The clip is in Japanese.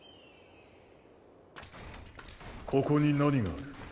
ここに何がある？